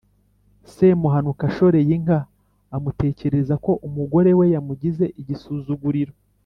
semuhanuka ashoreye inka amutekerereza ko umugore we yamugize igisuzuguriro